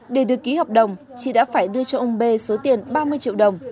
để được ký hợp đồng chị đã phải đưa cho ông b số tiền ba mươi triệu đồng